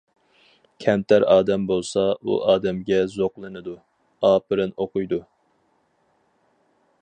كەمتەر ئادەم بولسا ئۇ ئادەمگە زوقلىنىدۇ، ئاپىرىن ئوقۇيدۇ.